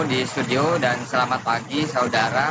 di studio dan selamat pagi saudara